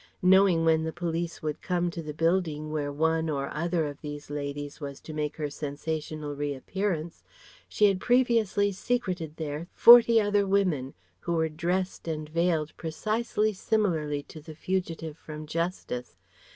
Knowing when the police would come to the building where one or other of these ladies was to make her sensational re appearance, she had previously secreted there forty other women who were dressed and veiled precisely similarly to the fugitive from justice.